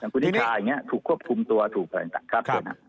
คุณนิชาอย่างนี้ถูกควบคุมตัวถูกอะไรต่างครับ